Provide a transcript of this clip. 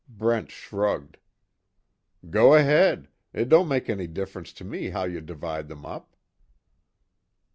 Brent shrugged, "Go ahead. It don't make any difference to me how you divide them up."